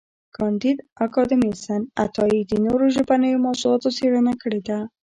کانديد اکاډميسن عطايي د نوو ژبنیو موضوعاتو څېړنه کړې ده.